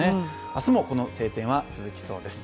明日もこの晴天は続きそうです。